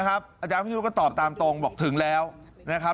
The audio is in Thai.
อาจารย์วิศนุก็ตอบตามตรงบอกถึงแล้วนะครับ